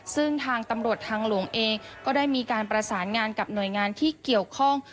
ซึ่งทางตำรวจทางหลวงเองก็ได้มีการประสานงานกับหน่วยงานที่เกี่ยวข้อง